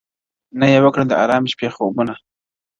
نه یې وکړل د آرامي شپې خوبونه!!